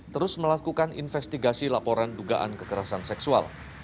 terus melakukan investigasi laporan dugaan kekerasan seksual